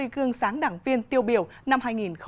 chín mươi gương sáng đảng viên tiêu biểu năm hai nghìn hai mươi